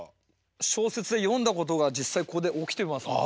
小説で読んだことが実際ここで起きてますので。